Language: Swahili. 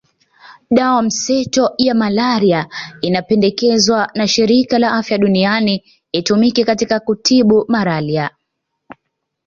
Dawa mseto ya malaria inapendekezwa na Shirika la Afya Duniani itumike katika kutibu malaria